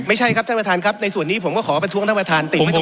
ไม่ใช่ครับท่านประธานครับในส่วนนี้ผมก็ขอประท้วงท่านประธาน